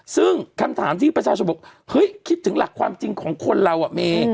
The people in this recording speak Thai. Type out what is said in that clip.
ซึ่งคำถามที่ประชาชนบอกเฮ้ยคิดถึงหลักความจริงของคนเราอ่ะเม